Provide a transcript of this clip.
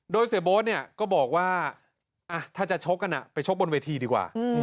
โดยเสียโบ๊ทเนี่ยก็บอกว่าถ้าจะชกกันไปชกบนเวทีดีกว่า